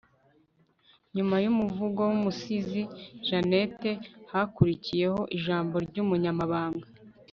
nyuma y'umuvugo w'umusizi jeannette, hakurikiyeho ijambo ry'umunyamabanga